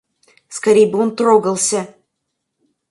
Скорей бы он трогался!